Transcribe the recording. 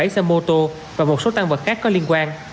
hai mươi bảy xe mô tô và một số tăng vật khác có liên quan